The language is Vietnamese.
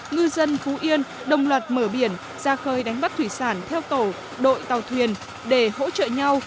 ngư dân phú yên đồng loạt mở biển ra khơi đánh bắt thủy sản theo tổ đội tàu thuyền để hỗ trợ nhau